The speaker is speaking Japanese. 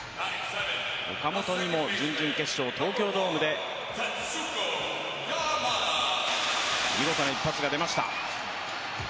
岡本にも準々決勝、東京ドームで見事な一発が出ました。